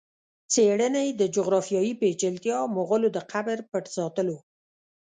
څېړني یې د جغرافیایي پېچلتیا، مغولو د قبر پټ ساتلو